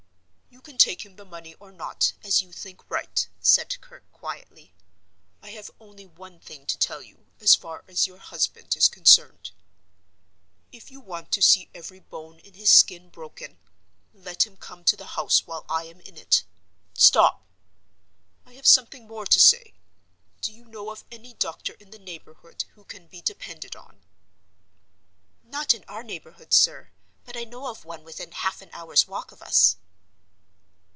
"You can take him the money or not, as you think right," said Kirke, quietly. "I have only one thing to tell you, as far as your husband is concerned. If you want to see every bone in his skin broken, let him come to the house while I am in it. Stop! I have something more to say. Do you know of any doctor in the neighborhood who can be depended on?" "Not in our neighborhood, sir. But I know of one within half an hour's walk of us."